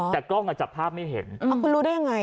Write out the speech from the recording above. แต่กล้องอ่ะจับภาพไม่เห็นคุณรู้ได้ยังไง